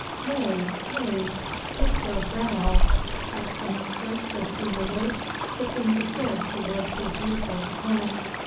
'Nay, nay, take your bradawl!' Saxon answered good humouredly, kicking the sword towards his youthful opponent.